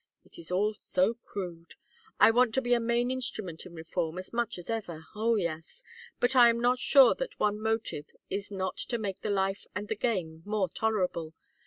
It is all so crude! I want to be a main instrument in reform as much as ever Oh yes! But I am not sure that one motive is not to make the life and the game more tolerable.